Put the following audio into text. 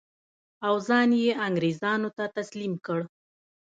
او ځان یې انګرېزانو ته تسلیم کړ.